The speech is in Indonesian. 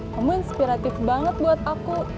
kamu inspiratif banget buat aku